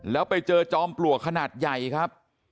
แล้วไปเจอจอมปลวกขนาดใหญ่ครับ